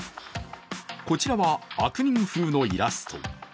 こちらは悪人風のイラスト。